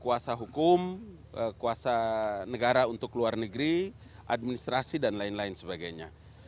kuasa hukum kuasa negara untuk luar negeri administrasi dan lain lain sebagainya